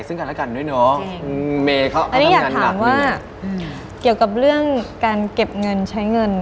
ด้วยเนอะอันนี้อยากถามว่าเกี่ยวกับเรื่องการเก็บเงินใช้เงิน